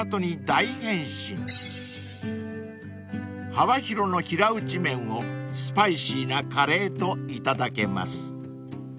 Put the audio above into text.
［幅広の平打ち麺をスパイシーなカレーといただけます］